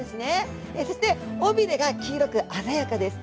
そして尾びれが黄色く鮮やかです。